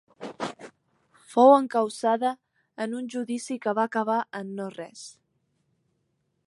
Fou encausada en un judici que va acabar en no res.